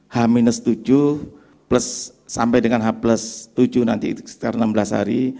h tujuh sampai dengan h tujuh nanti enam belas hari